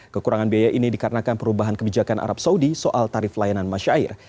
kekurangan biaya ini dikarenakan perubahan kebijakan arab saudi soal tarif layanan masyair